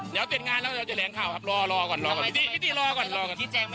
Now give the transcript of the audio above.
เดี๋ยวเตรียดงานแล้วจะแถลงข่าวครับ